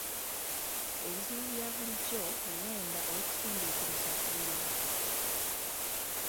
Ebizibu bya bulijjo luwenda olukusindiikiriza okuyiiya